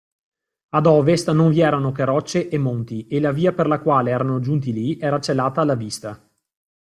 Ad ovest non vi erano che rocce e monti, e la via per la quale erano giunti lì era celata alla vista.